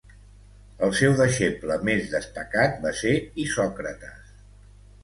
El seu deixeble més destacat va ser Isòcrates.